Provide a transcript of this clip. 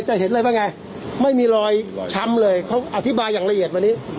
เห็นเลยว่าไงไม่มีรอยช้ำเลยเขาอธิบายอย่างละเอียดวันนี้